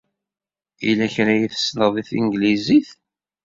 Yella kra ay tessneḍ deg tanglizit?